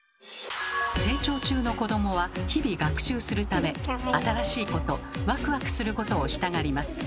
成長中の子どもは日々学習するため新しいことワクワクすることをしたがります。